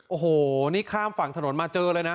โอ้โหนี่ข้ามฝั่งถนนมาเจอเลยนะ